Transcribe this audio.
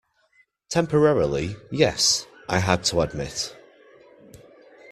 "Temporarily, yes," I had to admit.